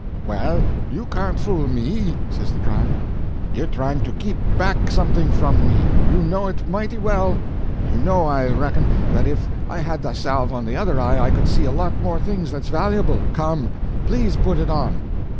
"Well, you can't fool me," says the driver. "You're trying to keep back something from me, you know it mighty well. You know, I reckon, that if I had the salve on the other eye I could see a lot more things that's valuable. Come—please put it on."